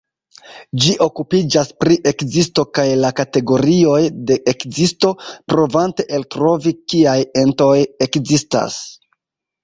Ĝi okupiĝas pri ekzisto kaj la kategorioj de ekzisto, provante eltrovi kiaj entoj ekzistas.